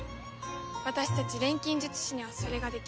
私たち錬金術師にはそれができる。